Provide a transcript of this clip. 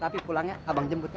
tapi pulangnya abang jemput